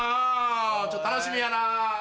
ちょっと楽しみやな。